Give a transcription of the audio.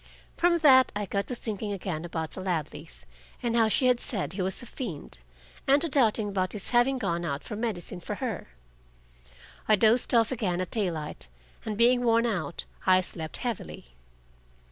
From that I got to thinking again about the Ladleys, and how she had said he was a fiend, and to doubting about his having gone out for medicine for her. I dozed off again at daylight, and being worn out, I slept heavily.